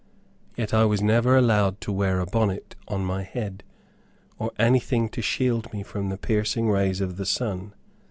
Yet I was never allowed to wear a bonnet on my head, or anything to shield me from the piercing rays of the sun.